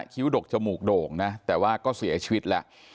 ้วดกจมูกโด่งนะแต่ว่าก็เสียชีวิตแล้ว